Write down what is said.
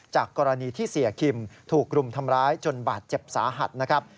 จากกรณีที่เสียคิมถูกรุมทำร้ายจนบาดเจ็บสาหัสนะครับ